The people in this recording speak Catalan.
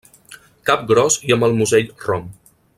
Cap gros i amb el musell rom.